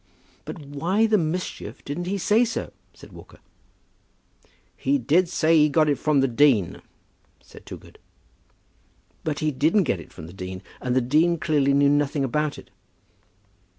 "But why the mischief didn't he say so?" said Walker. "He did say that he got it from the dean," said Toogood. "But he didn't get it from the dean; and the dean clearly knew nothing about it."